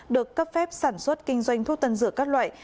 được cấp phép sản xuất kinh doanh thuốc tân dược các loại